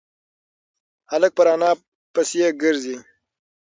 هلک پر انا پسې گرځي.